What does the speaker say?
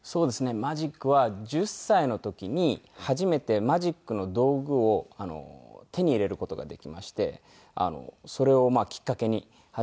マジックは１０歳の時に初めてマジックの道具を手に入れる事ができましてそれをきっかけに始めたんですけど。